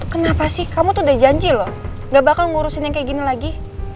kenapa sih kamu tuh udah janji loh gak bakal ngurusin yang kayak gini lagi